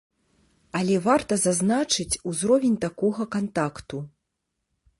Але варта зазначыць узровень такога кантакту.